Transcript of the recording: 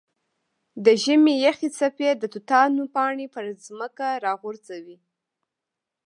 د ژمي یخې څپې د توتانو پاڼې پر ځمکه راغورځوي.